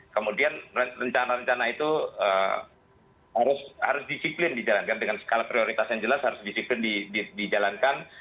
kemudian rencana rencana itu harus disiplin dijalankan dengan skala prioritas yang jelas harus disiplin dijalankan